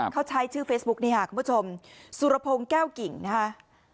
เขาใช้ชื่อเฟซบุ๊กนี่ค่ะคุณผู้ชมสุรพงศ์แก้วกิ่งนะคะ